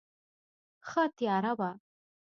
ښه تیاره وه.